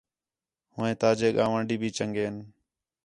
ہوئیں تاجے ڳوانڈی بھی چنڳے ہِن